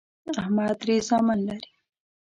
احمد درې زامن لري